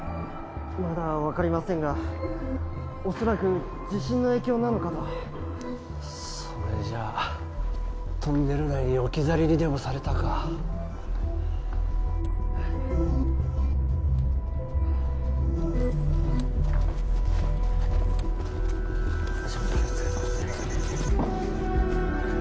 まだ分かりませんが恐らく地震の影響なのかそれじゃトンネル内に置き去りにでもされたか足元気をつけてください